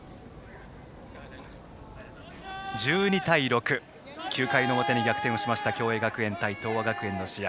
１２対６９回の表に逆転しました共栄学園と東亜学園の試合。